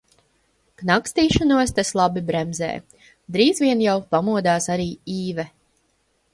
Knakstīšanos tas labi bremzē. Drīz vien jau pamodās arī Īve.